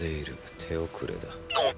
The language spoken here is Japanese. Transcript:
手遅れだ。っ！